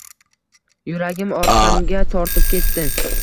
yuragim orqamga tortib ketdi